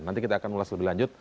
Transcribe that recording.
nanti kita akan ulas lebih lanjut